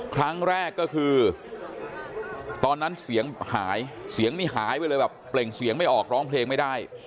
ครั้งแรกก็คือตอนนั้นเสียงหายเสียงนี่หายไปเลยแบบเปล่งเสียงไม่ออกร้องเพลงไม่ได้